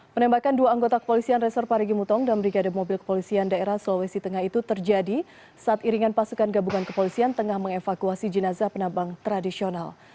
penembakan dua anggota kepolisian resor parigi mutong dan brigade mobil kepolisian daerah sulawesi tengah itu terjadi saat iringan pasukan gabungan kepolisian tengah mengevakuasi jenazah penambang tradisional